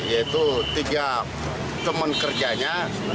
yaitu tiga teman kerjanya